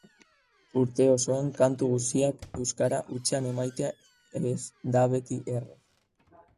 Urte osoan kantu guziak euskara hutsean emaitea ez da beti errex.